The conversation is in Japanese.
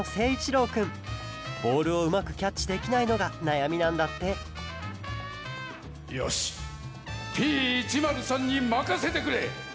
ボールをうまくキャッチできないのがなやみなんだってよしＰ１０３にまかせてくれ！